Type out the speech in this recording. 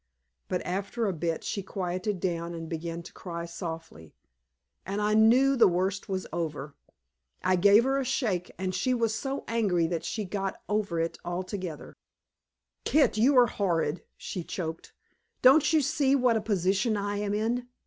But after a bit she quieted down and began to cry softly, and I knew the worst was over. I gave her a shake, and she was so angry that she got over it altogether. "Kit, you are horrid," she choked. "Don't you see what a position I am in?